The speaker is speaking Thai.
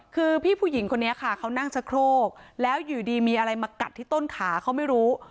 คือพี่ผู้หญิงคนนี้ค่ะเขานั่งชะโครกแล้วอยู่ดีมีอะไรมากัดที่ต้นขาเขาไม่รู้